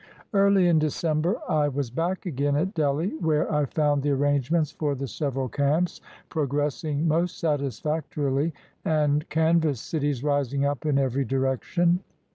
Early in December I was back again at Delhi, where I found the arrangements for the several camps pro gressing most satisfactorily, and canvas cities rising up in every direction.